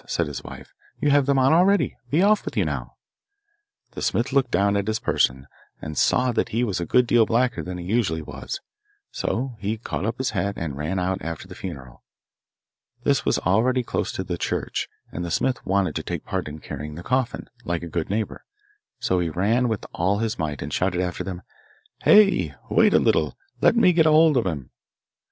said his wife, 'you have them on already. Be off with you now.' The smith looked down at his person and saw that he was a good deal blacker than he usually was, so he caught up his hat and ran out after the funeral. This was already close to the church, and the smith wanted to take part in carrying the coffin, like a good neighbour. So he ran with all his might, and shouted after them, 'Hey! wait a little; let me get a hold of him!